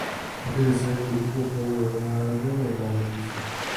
Antes de ser político fue abogado laboralista..